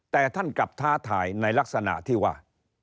แต่ท่านกลับท้าทายในลักษณะที่ว่า